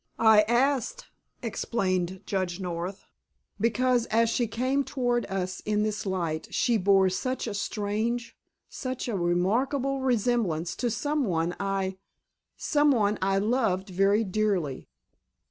"I asked"—explained Judge North,—"because as she came toward us in this light she bore such a strange, such a remarkable resemblance to some one I—some one I loved very dearly."